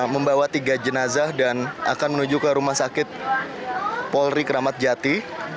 membawa tiga jenazah dan akan menuju ke rumah sakit polri kramat jati